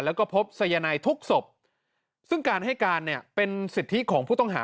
แล้วก็พบสายนายทุกศพซึ่งการให้การเนี่ยเป็นสิทธิของผู้ต้องหา